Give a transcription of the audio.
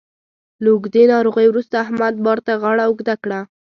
له اوږدې ناروغۍ وروسته احمد بار ته غاړه اوږده کړه